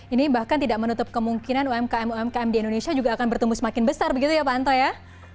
ini bahkan tidak menutup kemungkinan umkm umkm di indonesia juga akan bertumbuh semakin besar begitu ya pak anto ya